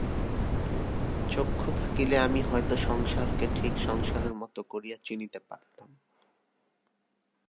চক্ষু থাকিলে আমি হয়তো সংসারকে ঠিক সংসারের মতো করিয়া চিনিতে পারিতাম।